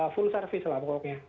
full service lah pokoknya